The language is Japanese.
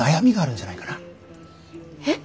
えっ？